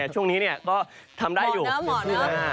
ช่วงนี้ก็ทำได้อยู่หมอนออก